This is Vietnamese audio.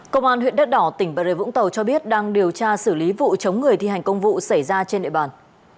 công an huyện đất đỏ tỉnh bà rệ vũng tàu cho biết đang điều tra xử lý vụ chống người thi hành công vụ xảy ra trên địa bàn